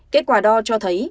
kết quả đo cho thấy